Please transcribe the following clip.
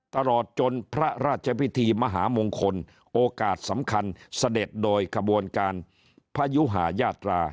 ตลอดจนพระราชพิธีมหามงคลโอกาสสำคัญเสด็จโดยขบวนการพยุหายาตรา